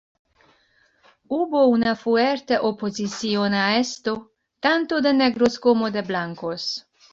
Hubo una fuerte oposición a esto, tanto de negros como de blancos.